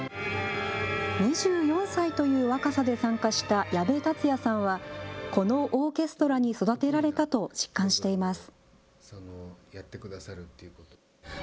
２４歳という若さで参加した矢部達哉さんはこのオーケストラに育てられたと実感しています。